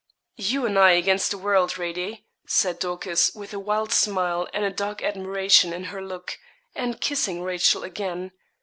'You and I against the world, Radie!' said Dorcas, with a wild smile and a dark admiration in her look, and kissing Rachel again.